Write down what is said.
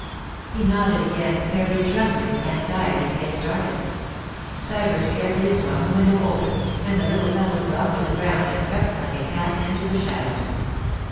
He nodded again, fairly trembling with anxiety to get started. Sybert carefully swung the window open, and the little fellow dropped to the ground and crept like a cat into the shadows.